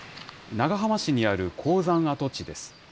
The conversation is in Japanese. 長浜市にある鉱山跡地です。